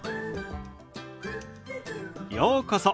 ようこそ。